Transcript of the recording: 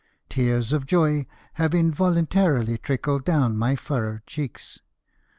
Tears of joy have in voluntarily trickled down my furrowed cheeks.